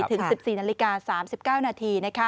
ถึง๑๔นาฬิกา๓๙นาที